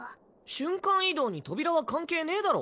瞬間移動に扉は関係ねぇだろ。